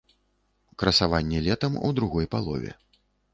Красаванне летам ў другой палове.